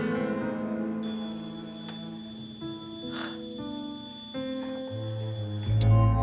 nyebut pak istighfar